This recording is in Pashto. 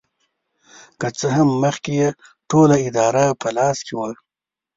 که څه هم مخکې یې ټوله اداره په لاس کې وه.